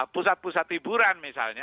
pusat pusat hiburan misalnya